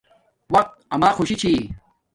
وقت اما خوشی چھی